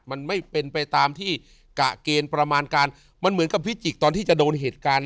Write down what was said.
มันไม่เป็นไปตามที่กะเกณฑ์ประมาณการมันเหมือนกับพิจิกตอนที่จะโดนเหตุการณ์